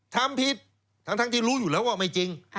ทำผิดทั้งที่รู้อยู่แล้วว่าไม่จริง